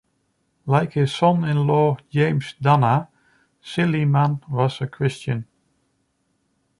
Like his son-in-law James Dana, Silliman was a Christian.